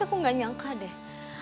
aku gak nyangka deh